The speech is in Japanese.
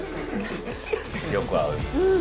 よく合う。